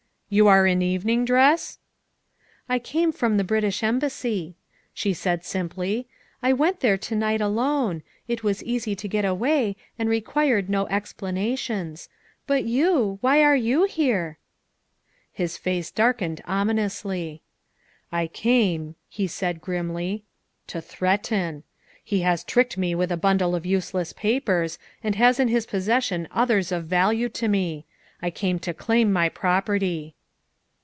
" You are in evening dress?" '' I came from the British Embassy, '' she said simply, " I went there to night alone; it was easy to get away, and required no explanations. But you why are you here?" His face darkened ominously. " I came," he said grimly, " to threaten. He has tricked me with a bundle of useless papers, and has in his possession others of value to me. I came to claim my property."